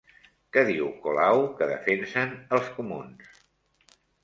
Què diu Colau que defensen els Comuns?